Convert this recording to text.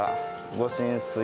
ご神水。